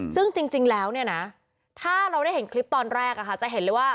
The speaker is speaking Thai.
ซึ่งจริงแล้วเนี่ยนะถ้าเราได้เห็นคลิปตอนแรกจะเห็นเลยว่า